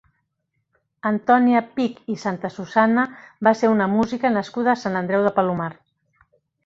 Antònia Pich i Santasusana va ser una música nascuda a Sant Andreu de Palomar.